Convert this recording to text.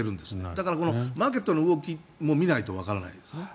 だからマーケットの動きも見ないとわからないですね。